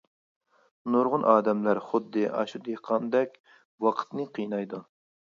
نۇرغۇن ئادەملەر خۇددى ئاشۇ دېھقاندەك ۋاقىتنى قىينايدۇ.